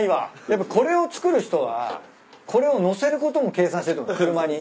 やっぱこれを作る人はこれを載せることも計算してる車に。